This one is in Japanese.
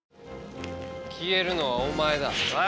消えるのはお前だ。